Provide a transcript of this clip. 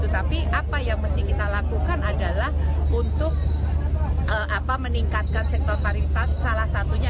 tapi apa yang mesti kita lakukan adalah untuk meningkatkan sektor pariwisata salah satunya